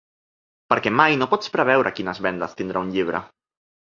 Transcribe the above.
Perquè mai no pots preveure quines vendes tindrà un llibre.